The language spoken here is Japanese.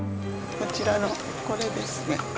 こちらのこれですね。